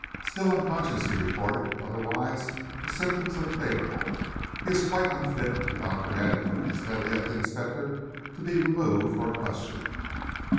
"Still unconscious," he reported. "Otherwise, the symptoms are favourable. He is quite unfit," the doctor added, looking steadily at the inspector, "to be removed or questioned."